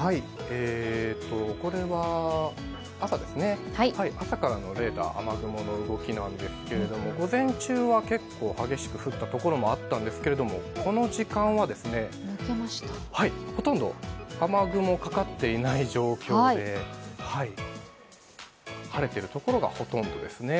これは朝からのレーダー、雨雲の動きですけれども、午前中は結構、激しく降ったところもあったんですけれどもこの時間はほとんど雨雲かかっていない状況で晴れている所がほとんどですね。